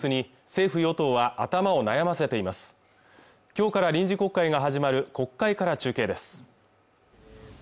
今日から臨時国会が始まる国会から中継です